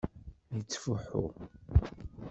Yettfuḥu.